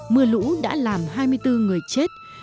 mưa lũ đã làm hai mươi bốn người chết